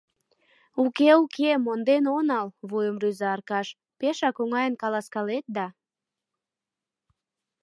— Уке-уке, монден онал, — вуйым рӱза Аркаш. — пешак оҥайын каласкалет да...